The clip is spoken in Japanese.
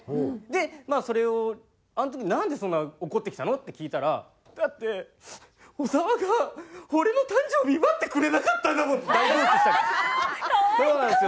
でそれを「あの時なんでそんな怒ってきたの？」って聞いたら「だって小澤が俺の誕生日祝ってくれなかったんだもん」って大号泣したんです。